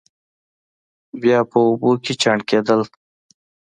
بیا په اوبو کې چاڼ کېدل.